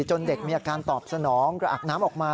เด็กมีอาการตอบสนองกระอักน้ำออกมา